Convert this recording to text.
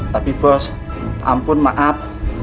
tapi bos ampun maaf